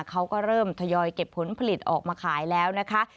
เขาก็เริ่มทยอยเก็บผลผลิตออกมาขายแล้วนะคะ